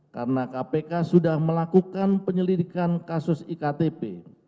karena kpk sudah melakukan penyelidikan kasus iktp